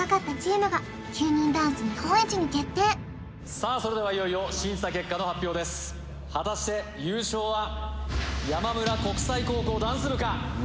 さあそれではいよいよ審査結果の発表です果たして優勝は山村国際高校ダンス部か？